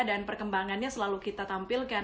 dan perkembangannya selalu kita tampilkan